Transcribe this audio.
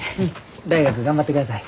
大学頑張ってください。